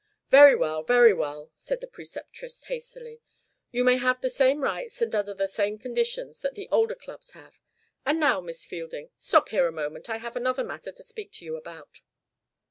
"Very well! Very well!" said the Preceptress, hastily. "You may have the same rights, and under the same conditions, that the older clubs have. And now, Miss Fielding, stop here a moment, I have another matter to speak to you about."